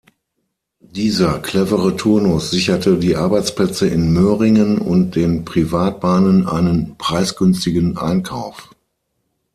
Dieser clevere Turnus sicherte die Arbeitsplätze in Möhringen und den Privatbahnen einen preisgünstigen Einkauf.